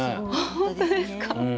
本当ですか？